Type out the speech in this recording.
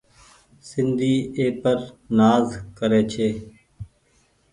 سندي اي پر نآز ڪري ڇي ۔